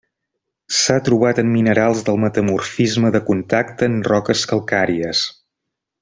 S'ha trobat en minerals del metamorfisme de contacte en roques calcàries.